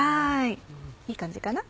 いい感じかな。